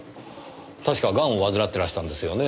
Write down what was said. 確かガンを患ってらしたんですよね？